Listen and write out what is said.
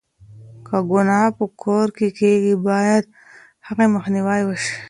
که گناه په کور کې کېږي، بايد د هغې مخنيوی وشي.